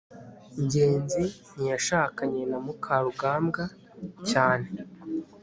ngenzi ntiyashakanye na mukarugambwa cyane